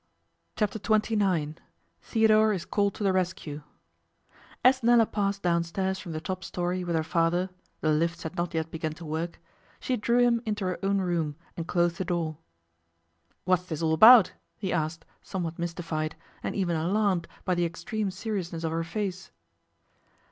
Chapter Twenty Nine THEODORE IS CALLED TO THE RESCUE AS Nella passed downstairs from the top storey with her father the lifts had not yet begun to work she drew him into her own room, and closed the door. 'What's this all about?' he asked, somewhat mystified, and even alarmed by the extreme seriousness of her face.